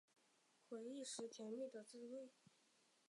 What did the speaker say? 回忆时甜蜜的滋味